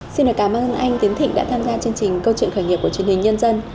xin cảm ơn anh tiến thịnh đã tham gia chương trình câu chuyện khởi nghiệp của truyền hình nhân dân